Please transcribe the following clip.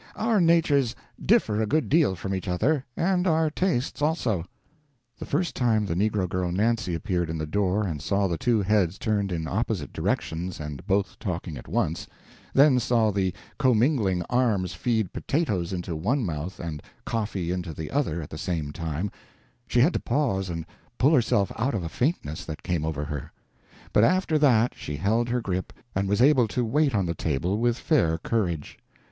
Our natures differ a good deal from each other, and our tastes also." The first time the negro girl Nancy appeared in the door and saw the two heads turned in opposite directions and both talking at once, then saw the commingling arms feed potatoes into one mouth and coffee into the other at the same time, she had to pause and pull herself out of a faintness that came over her; but after that she held her grip and was able to wait on the table with fair courage.